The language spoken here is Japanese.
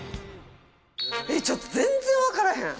えちょっと全然分からへん。